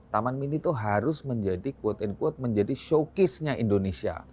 taman mini itu harus menjadi quote unquote menjadi showcase nya indonesia